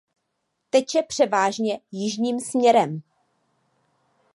Teče převážně jižním směrem.